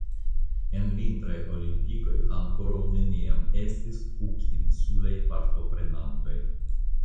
En vintraj olimpikoj ankoraŭ neniam estis kukinsulaj partoprenantoj.